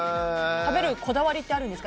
食べるこだわりはあるんですか。